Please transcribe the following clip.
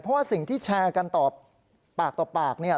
เพราะว่าสิ่งที่แชร์กันต่อปากต่อปากเนี่ย